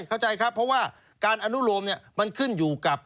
เข้าใจครับเพราะว่าการอนุโลมเนี่ยมันขึ้นอยู่กับ